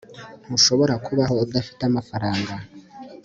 ntushobora kubaho udafite amafaranga